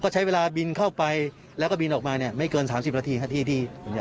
ใช้เวลาบิลเข้าไปแล้วก็บิลออกมาไม่เกิน๓๐นาที